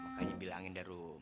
makanya bilangin deh roh